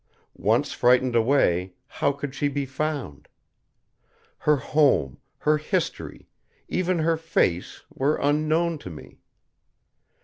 Once frightened away, how could she be found? Her home, her history, even her face, were unknown to me.